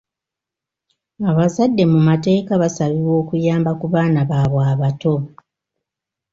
Abazadde mu mateeka basabibwa okuyamba ku baana baabwe abato.